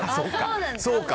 そうか。